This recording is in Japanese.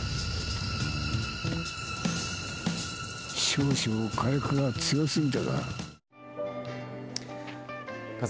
少々、火薬が強すぎたか。